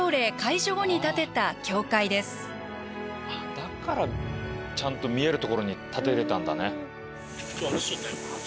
だからちゃんと見える所に建てれたんだね。